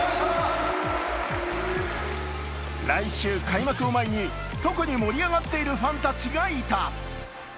来週開幕を前に特に盛り上がっているファンたちがいた。